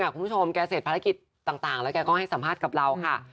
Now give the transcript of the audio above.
คุณผู้ชมแกเสร็จภารกิจต่างแล้วแกก็ให้สัมภาษณ์กับเราค่ะ